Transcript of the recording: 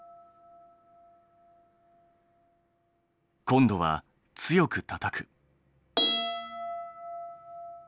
今度は強くたたく。